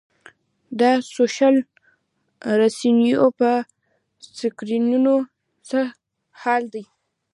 دا سوشل رسنیو په سکرینونو څه حال دی.